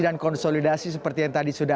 konsolidasi seperti yang tadi sudah